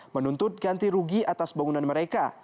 menuntut ganti rugi atas bangunan mereka